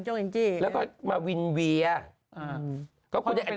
ดีหลีหมดแล้วตอนที่มาวินวิล